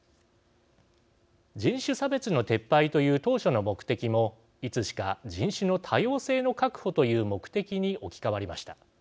人種差別の撤廃という当初の目的もいつしか人種の多様性の確保という目的に置き換わりました。